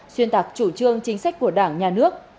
xuyên tạc chủ trương chính sách của đảng nhà nước